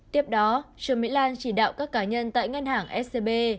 tiếp đó trương mỹ lan chỉ đạo các cá nhân tại ngân hàng scb